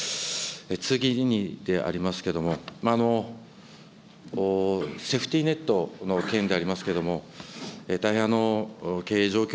次にでありますけれども、セーフティネットの件でありますけれども、大変経営状況